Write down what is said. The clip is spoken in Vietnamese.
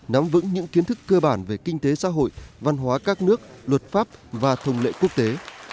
nắm vững những kiến thức cơ bản về kinh tế xã hội văn hóa các nước luật pháp và thông lệ quốc tế